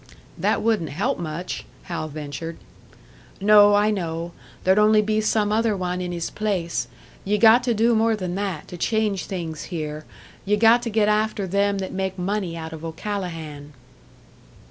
"That wouldn't help much," Hal ventured. "No, I know there'd only be some other one in his place. Ye got to do more than that, to change things here. Ye got to get after them that make money out of O'Callahan."